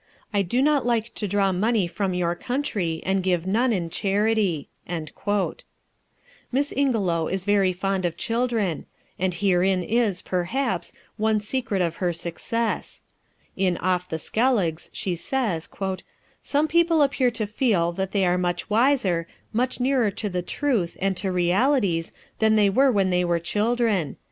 I do not like to draw money from your country, and give none in charity." Miss Ingelow is very fond of children, and herein is, perhaps, one secret of her success. In Off the Skelligs she says: "Some people appear to feel that they are much wiser, much nearer to the truth and to realities, than they were when they were children.